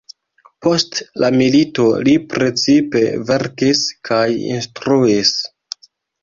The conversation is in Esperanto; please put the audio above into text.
Post la milito li precipe verkis kaj instruis.